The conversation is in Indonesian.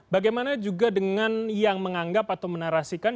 bagaimana juga dengan yang menganggap atau menarasikan